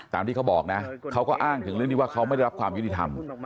ที่เขาบอกนะเขาก็อ้างถึงเรื่องนี้ว่าเขาไม่ได้รับความยุติธรรม